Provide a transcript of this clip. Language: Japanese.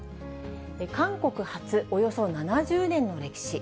韓国発およそ７０年の歴史。